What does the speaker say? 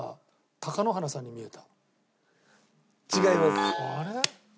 貴乃花さんに見える。